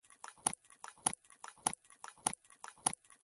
ځنګل د طبیعت زړه دی.